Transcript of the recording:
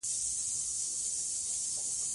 غرونه د افغانستان د اوږدمهاله پایښت لپاره مهم رول لري.